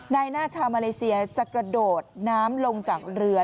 นายหน้าชาวมาเลเซียจะกระโดดน้ำลงจากเรือ